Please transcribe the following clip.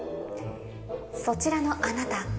そちらのあなた